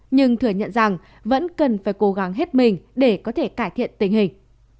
nhưng thừa nhận rằng vẫn cần phải cố gắng hết mình để có thể cải thiện tình hình